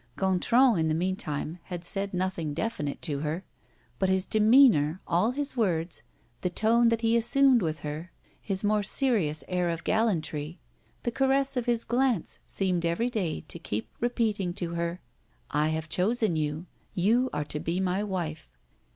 Gontran, in the meantime had said nothing definite to her; but his demeanor, all his words, the tone that he assumed with her, his more serious air of gallantry, the caress of his glance seemed every day to keep repeating to her: "I have chosen you; you are to be my wife."